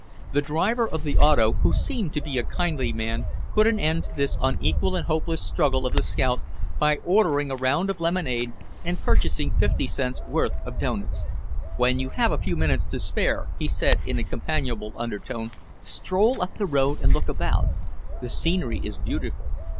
The driver of the auto, who seemed to be a kindly man, put an end to this unequal and hopeless struggle of the scout, by ordering a round of lemonade and purchasing fifty cents' worth of doughnuts. "When you have a few minutes to spare," he said in a companionable undertone, "stroll up the road and look about; the scenery is beautiful."